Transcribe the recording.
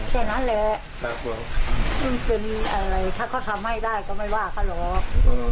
แค่นั้นแหละถ้าเขาทำให้ได้ก็ไม่ว่าเขาหรอก